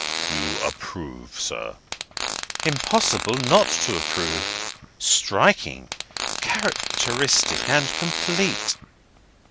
"You approve, sir?" "Impossible not to approve. Striking, characteristic, and complete."